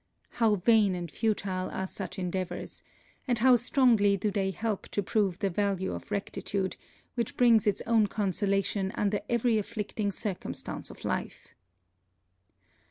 How vain and futile are such endeavours; and how strongly do they help to prove the value of rectitude, which brings its own consolation under every afflicting circumstance of life.